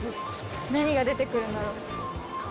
何が出て来るんだろう？